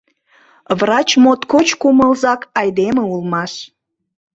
Врач моткоч кумылзак айдеме улмаш.